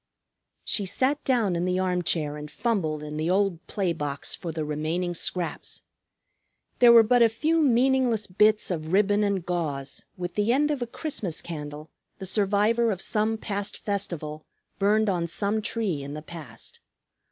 She sat down in the armchair and fumbled in the old play box for the remaining scraps. There were but a few meaningless bits of ribbon and gauze, with the end of a Christmas candle, the survivor of some past festival, burned on some tree in the past.